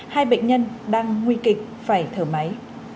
hai bệnh nhân đang nguy kịch phải thở máy